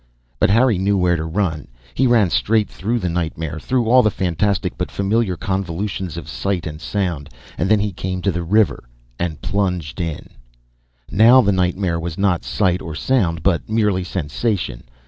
But Harry knew where to run. He ran straight through the nightmare, through all the fantastic but familiar convolutions of sight and sound, and then he came to the river and plunged in. Now the nightmare was not sight or sound, but merely sensation.